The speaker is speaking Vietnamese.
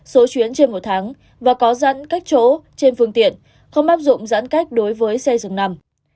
số chuyến trên một tháng và có dẫn cách chỗ trên phương tiện không áp dụng giãn cách đối với xe dừng nằm